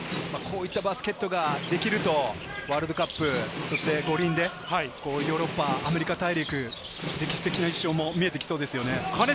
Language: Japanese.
こういったバスケットができるとワールドカップ、そして五輪で、ヨーロッパ、アフリカ大陸、歴史的な１勝も見えてきそうですよね。